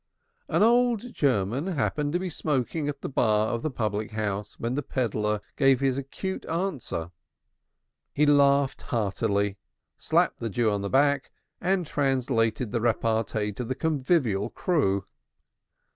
An old German happened to be smoking at the bar of the public house when the peddler gave his acute answer; he laughed heartily, slapped the Jew on the back and translated the repartee to the Convivial crew.